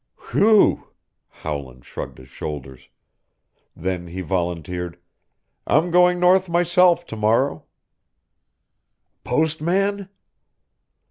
"Whew!" Howland shrugged his shoulders. Then he volunteered, "I'm going north myself to morrow." "Post man?"